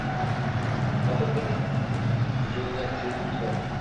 Qotib tur joyingda, vujuding muzlab